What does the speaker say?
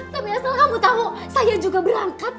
tapi asal kamu tahu saya juga berangkat